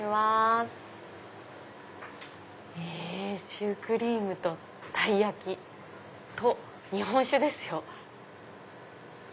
シュークリームとたい焼きと日本酒ですよ。